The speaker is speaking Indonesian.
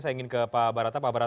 saya ingin ke pak barata